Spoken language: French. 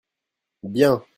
Bien.